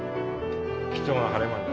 貴重な晴れ間に。